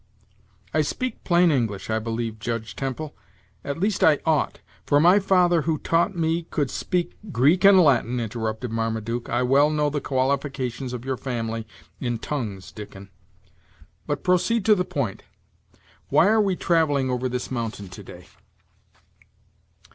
"I speak plain English, I believe, Judge Temple: at least I ought; for my father, who taught me, could speak " "Greek and Latin," interrupted Marmaduke. "I well know the qualifications of your family in tongues, Dickon. But proceed to the point; why are we travelling over this mountain to day?"